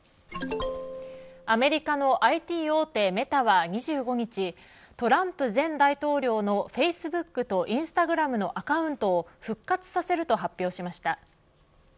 アメリカのＩＴ大手メタは２５日トランプ前大統領のフェイスブックとインスタグラムのアカウントを復活させると発表しました。